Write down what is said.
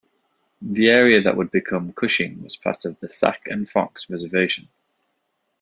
The area that would become Cushing was part of the Sac and Fox Reservation.